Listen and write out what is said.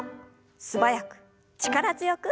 素早く力強く。